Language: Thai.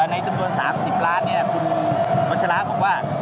ในจำนวน๓๐ล้านคุณวัชราบอกว่า